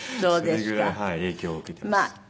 それぐらい影響を受けています。